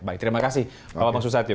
baik terima kasih pak bambang susatyo